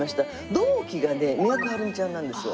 同期がね都はるみちゃんなんですよ。